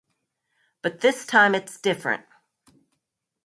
But this time, it's different.